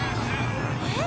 えっ？